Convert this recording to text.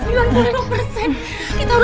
kita harus bawa mama ke rumah sakit tante